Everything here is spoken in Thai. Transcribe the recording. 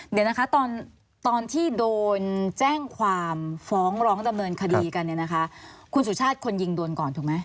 เดี๋ยวนะคะตอนที่โดนแจ้งความฟ้องร้องตะเมินคดีคุณสูชาติคนยิงโดนก่อนถูกไหม